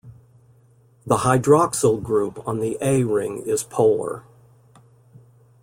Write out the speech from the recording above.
The hydroxyl group on the A ring is polar.